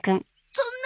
そんな！